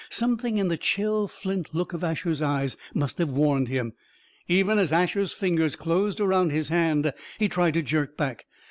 Something in the chill, flint look of Asher's eyes must have warned him. Even as Asher's fingers closed around his hand, he tried to jerk back.